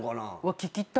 聞きたい。